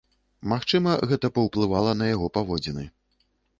Магчыма, гэта паўплывала на яго паводзіны.